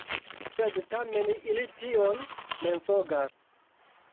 Sed tamen ili tion mensogas.